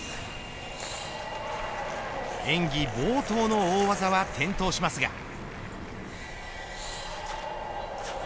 演技冒頭の大技は転倒しますが。